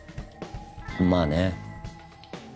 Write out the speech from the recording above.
まあね。